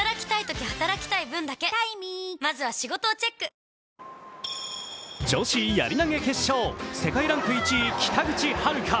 続く女子やり投げ決勝、世界ランク１位北口榛花。